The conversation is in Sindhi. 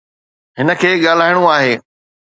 هن کي ڳالهائڻو آهي.